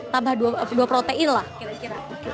tambah dua protein lah kira kira